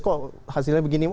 kok hasilnya begini